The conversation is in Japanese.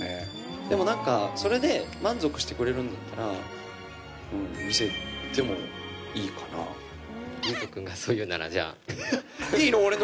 でも、なんか、それで満足してくれるんだったら、見せてもいいか裕翔君がそう言うなら、いいの？